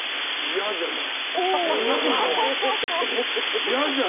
嫌じゃない。